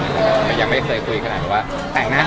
แต่งหน้าอะไรอย่างเงี้ยแล้วก็คือร่วมมาวันวันพิเศษ